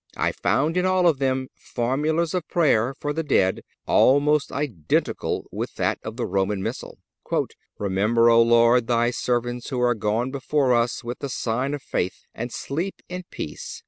I found in all of them formulas of prayers for the dead almost identical with that of the Roman Missal: "Remember, O Lord, Thy servants who are gone before us with the sign of faith, and sleep in peace.